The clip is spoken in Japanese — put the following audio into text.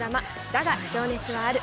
だが、情熱はある』。